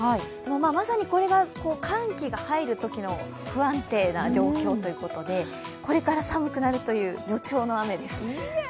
まさにこれが寒気が入るときの不安定な状況ということでこれから寒くなるという予兆の雨です。